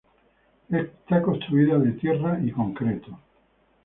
Es construida de tierra y concreto.